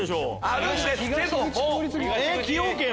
あるんですけども。